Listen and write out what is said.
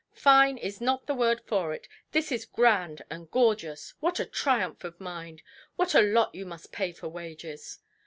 Fine is not the word for it; this is grand and gorgeous. What a triumph of mind! What a lot you must pay for wages"!